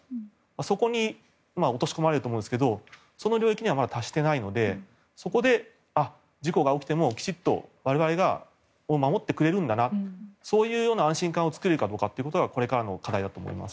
そこに落とし込まれると思うんですが、その領域にはまだ達していないのでそこで事故が起きてもきちんと我々を守ってくれるんだなそういうような安心感を作れるかどうかがこれからの課題だと思います。